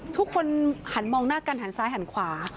ทุกคนหันมองหน้ากันหันซ้ายหันขวา